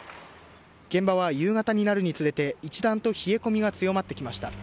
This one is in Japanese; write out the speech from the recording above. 現場は夕方になるにつれて一段と冷え込みが強まってきました。